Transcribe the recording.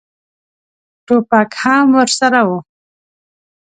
ټوپک هم ورسره و.